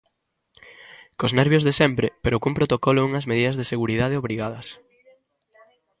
Cos nervios de sempre pero cun protocolo e unhas medidas de seguridade obrigadas.